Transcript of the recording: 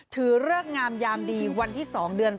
เริกงามยามดีวันที่๒เดือน